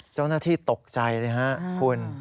เจ้าหน้าที่ตกใจเลยครับคุณ